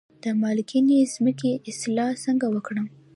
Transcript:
د مالګینې ځمکې اصلاح څنګه وکړم؟